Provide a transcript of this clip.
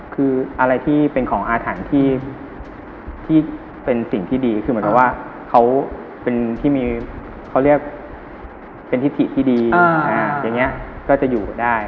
คืออะไรที่เป็นของอาถรรพ์ที่เป็นสิ่งที่ดีคือเหมือนกับว่าเขาเป็นที่มีเขาเรียกเป็นทิศถิที่ดีอย่างนี้ก็จะอยู่ได้